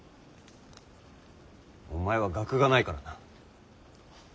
お前は学がないからな。